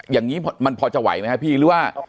อย่างนี้มันพอจะไหวไหมครับพี่หรือว่า